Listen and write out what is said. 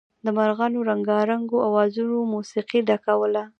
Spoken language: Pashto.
د مارغانو رنګارنګو اوازونو موسيقۍ ډکوله.